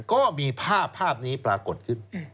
ก็มีภาพนี้ปรากฏขึ้น